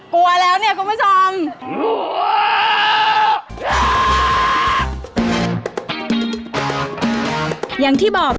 อย่างที่บอกดาวร้ายตัวโงงต้องทำหน้าดูก